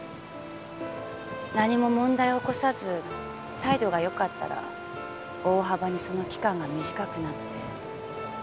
何も問題を起こさず態度がよかったら大幅にその期間が短くなって。